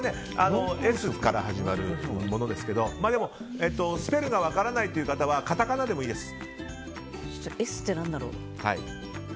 Ｓから始まるものですけどでも、スペルが分からないという方はカタカナでもいいです。